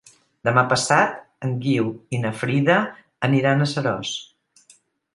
Demà passat en Guiu i na Frida aniran a Seròs.